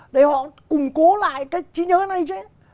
để họ củng cố lại cái trí nhớ này chứ